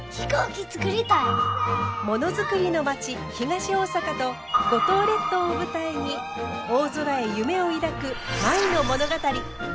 ものづくりの町東大阪と五島列島を舞台に大空へ夢を抱く舞の物語。